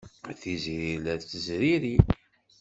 Tiziri la tettezriri.